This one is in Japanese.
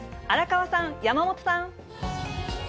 荒川さん、山本さん。